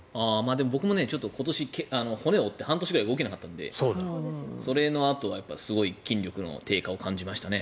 でも僕も今年、骨を折って半年ぐらい動けなかったのでそれのあとはすごい筋力の低下を感じましたね。